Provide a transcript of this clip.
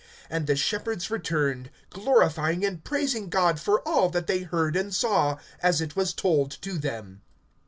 (20)And the shepherds returned, glorifying and praising God for all that they heard and saw, as it was told to them.